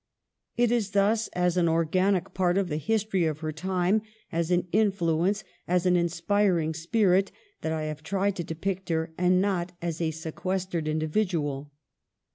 It is thus, as an organic part of the history of her time, as an influence, as an inspiring spirit, that I have tried to depict her, and not as a sequestered individual.